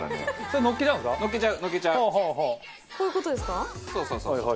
そうそうそうそう。